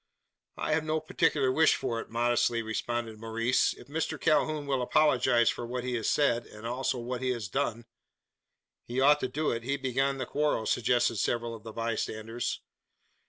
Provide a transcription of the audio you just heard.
"I have no particular wish for it," modestly responded Maurice. "If Mr Calhoun will apologise for what he has said, and also what he has done " "He ought to do it: he began the quarrel!" suggested several of the bystanders.